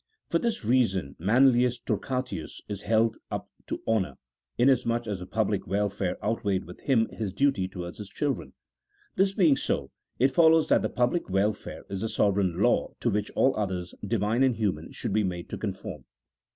For this reason Manlius Torquatus is held up to honour, inasmuch as the public welfare outweighed with him his duty towards his children. This being so, it follows that the public welfare is the sovereign law to which all others, Divine and human, should be made to conform.